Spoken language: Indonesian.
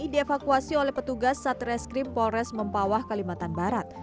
dievakuasi oleh petugas satreskrim polres mempawah kalimantan barat